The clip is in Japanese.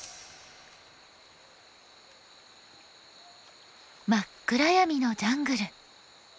真っ暗闇のジャングル。